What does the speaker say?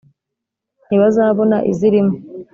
ntibazabona izirimo